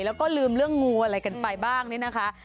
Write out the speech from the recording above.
แล้วก็ลืมเรื่องงูอะไรกันไปบ้างเนี่ยนะคะ